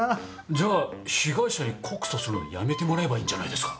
じゃあ被害者に告訴するのやめてもらえばいいんじゃないですか？